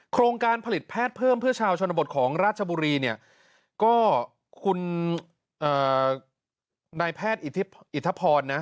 โครงการผลิตแพทย์เพิ่มเพื่อชาวชนบทของราชบุรีเนี่ยก็คุณนายแพทย์อิทธพรนะ